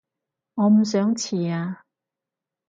我唔想遲啊